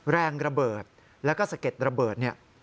แรงระเบิดและก็สะเก็ดระเบิด